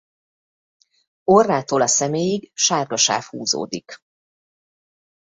Orrától a szeméig sárga sáv húzódik.